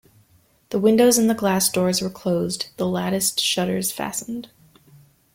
The windows and the glass doors were closed, the latticed shutters fastened.